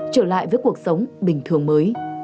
trở lại với cuộc sống bình thường mới